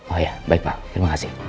oh ya baik pak terima kasih